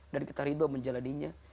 dan kita riba menjalani nya